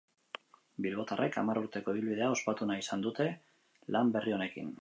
Bilbotarrek hamar urteko ibilbidea ospatu nahi izan dute lan berri honekin.